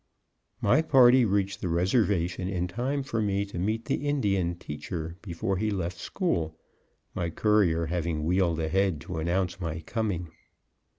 My party reached the Reservation in time for me to meet the Indian teacher before he left school, my courier having wheeled ahead to announce my coming.